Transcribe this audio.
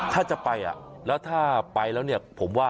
ถ้าจะไปละถ้าไปแล้วเนี่ย